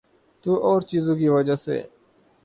تو اورچیزوں کی وجہ سے۔